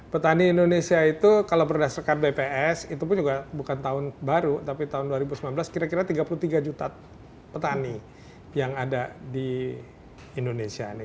petani indonesia itu kalau berdasarkan bps itu pun juga bukan tahun baru tapi tahun dua ribu sembilan belas kira kira tiga puluh tiga juta petani yang ada di indonesia ini